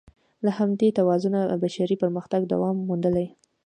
له همدې توازنه بشري پرمختګ دوام موندلی.